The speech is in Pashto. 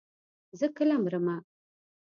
زه کله مرمه.